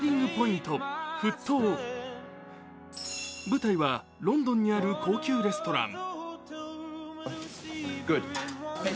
舞台はロンドンにある高級レストラン。